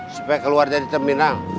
supaya keluar dari terminal